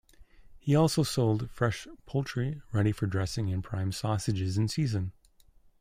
He also sold fresh poultry ready for dressing and prime sausages in season.